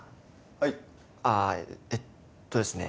はいああえっとですね